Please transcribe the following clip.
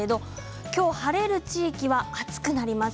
今日晴れる地域は暑くなります。